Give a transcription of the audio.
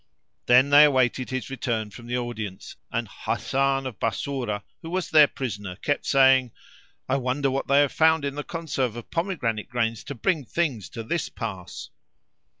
Then they awaited his return from the audience, and Hasan of Bassorah who was their prisoner kept saying, "I wonder what they have found in the conserve of pomegranate grains to bring things to this pass!"